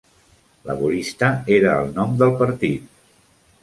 "Laborista" era el nom del partit.